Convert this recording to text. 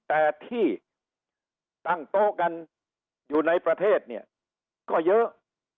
แต่ที่ตั้งโต๊ะกันอยู่ในประเทศเนี่ยก็เยอะ